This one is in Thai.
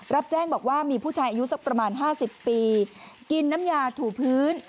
รับแจ้งบอกว่ามีผู้ชายอายุสักประมาณ๕๐ปีกินน้ำยาถูพื้น